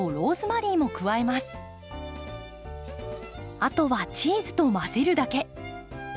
あとはチーズと混ぜるだけ。